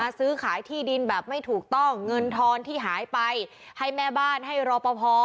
ซื้อขายที่ดินแบบไม่ถูกต้องเงินทอนที่หายไปให้แม่บ้านให้รอปภ